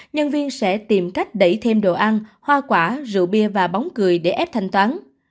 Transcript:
nhân viên sẽ tìm cách đẩy thêm đồ ăn hoa quả rượu bia và bóng cười để ép thanh toán